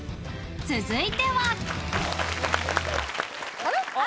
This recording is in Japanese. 続いては。